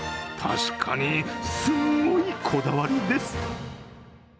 確かに、すごいこだわりです。